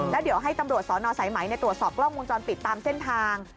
แล้วเดี๋ยวให้ตำรวจสนสายไหมตรวจสอบกล้องวงจรปิดตามเส้นทาง